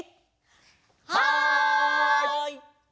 はい！